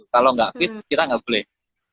kalau gak fit kita gak boleh